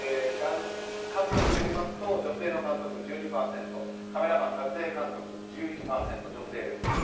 監督で見ますと女性の監督は１２％カメラマン、撮影監督１１％、女性です。